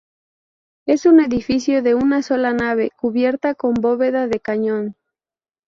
Es un edificio de una sola nave, cubierta con bóveda de cañón.